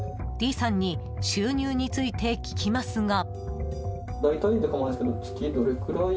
Ｄさんに収入について聞きますが。